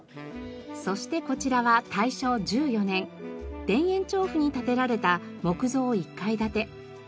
そしてこちらは大正１４年田園調布に建てられた木造１階建て。